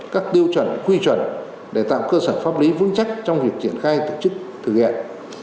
các tiêu chuẩn quy chuẩn để tạo cơ sở pháp lý vững chắc trong việc triển khai tổ chức thực hiện